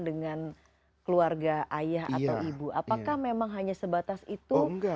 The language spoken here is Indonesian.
dengan keluarga ayah atau ibu apakah memang hanya sebatas itu